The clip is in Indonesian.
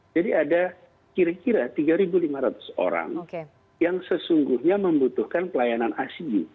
jadi ada kira kira tiga lima ratus orang yang sesungguhnya membutuhkan pelayanan icu